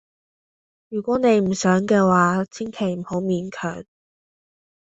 如果你唔想嘅話，千祈唔好勉強。